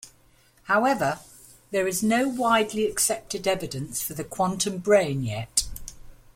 However, there is no widely accepted evidence for the 'quantum brain' yet.